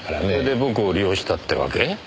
それで僕を利用したってわけ？